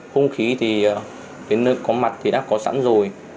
hung khí thì đến nơi có mặt thì đã có sẵn rồi